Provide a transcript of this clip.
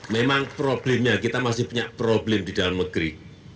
memang problemnya kita masih punya problem di dalam negeri